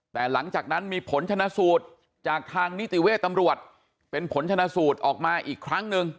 แต่หลังจากนั้นมีผลชนะสูตรจากทางนิติเวทย์ตำรวจเป็นผลชนะสูตรออกมาอีกครั้งหนึ่ง